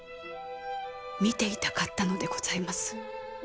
見ていたかったのでございます。